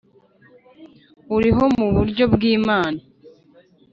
uriho mu buryo bw’ Imana